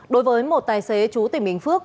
đối với một tài xế chú tỉnh bình phước